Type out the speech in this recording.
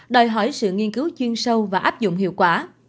đòi hỏi sự nghiên cứu chuyên sâu và áp dụng hiệu quả